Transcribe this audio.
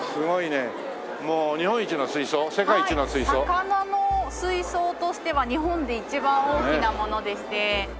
魚の水槽としては日本で一番大きなものでして。